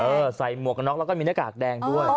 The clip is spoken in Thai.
ใส่หมวกกันน็อกแล้วก็มีหน้ากากแดงด้วย